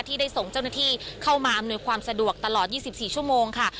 ได้ส่งเจ้าหน้าที่เข้ามาอำนวยความสะดวกตลอด๒๔ชั่วโมงค่ะ